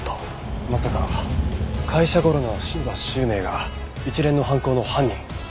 まさか会社ゴロの篠田周明が一連の犯行の犯人？